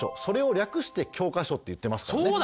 それを略して教科書って言ってますから。